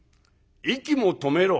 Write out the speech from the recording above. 息も止めろ」。